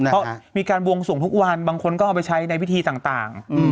เพราะมีการวงส่งทุกวันบางคนก็เอาไปใช้ในพิธีต่าง